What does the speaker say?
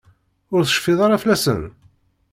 Ur tecfiḍ ara fell-asen?